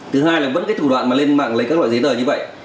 thứ hai là vẫn cái thủ đoạn mà lên mạng lấy các loại giấy tờ như vậy